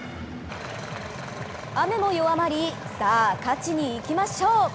雨も弱まり、さあ、勝ちにいきましょう！